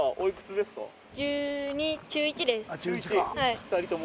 ２人とも？